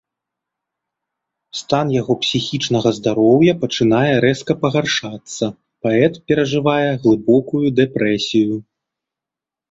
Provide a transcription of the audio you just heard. Стан яго псіхічнага здароўя пачынае рэзка пагаршацца, паэт перажывае глыбокую дэпрэсію.